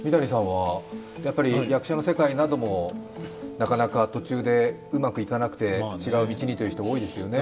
役者の世界なども、なかなか途中でうまくいかなくて、違う道にという人、多いですよね。